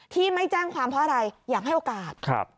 ที่ไม่แจ้งความเพราะอะไรอยากให้โอกาส